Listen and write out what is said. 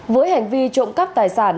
với hành vi trộm cắp tài sản